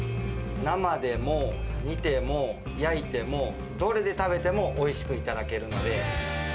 生でも、煮ても、焼いてもどれで食べてもおいしく頂けるので。